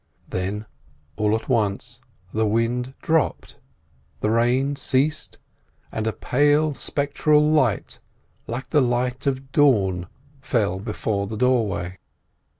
Then all at once the wind dropped, the rain ceased, and a pale spectral light, like the light of dawn, fell before the doorway.